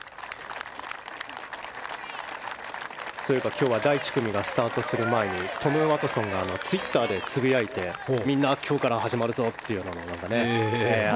今日は第１組がスタートする前にトム・ワトソンがツイッターでつぶやいてみんな、今日から始まるぞって。